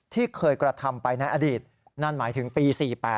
ที่เคยกระทำไปในอดีตนั่นหมายถึงปี๔๘